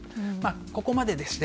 ここまででして。